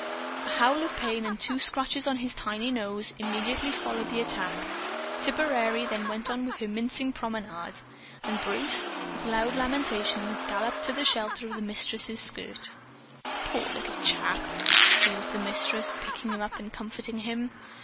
A howl of pain and two scratches on his tiny nose immediately followed the attack. Tipperary then went on with her mincing promenade. And Bruce, with loud lamentations, galloped to the shelter of the Mistress's skirt. "Poor little chap!" soothed the Mistress, picking him up and comforting him.